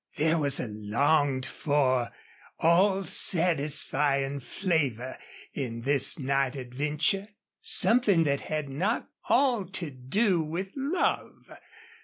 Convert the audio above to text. There was a longed for, all satisfying flavor in this night adventure something that had not all to do with love.